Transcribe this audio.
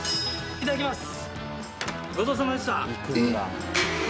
いただきます。